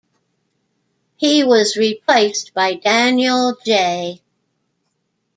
He was replaced by Daniel J.